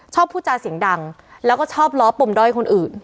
พูดจาเสียงดังแล้วก็ชอบล้อปมด้อยคนอื่น